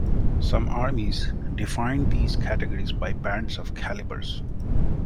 Some armies defined these categories by bands of calibers.